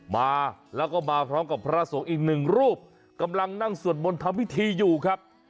มาแล้วก็มาพร้อมกับพระสงฆ์อีกหนึ่งรูปกำลังนั่งสวดมนต์ทำพิธีอยู่ครับ